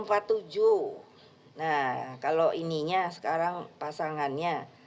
nah kalau ininya sekarang pasangannya